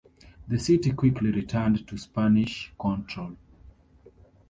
The city quickly returned to Spanish control.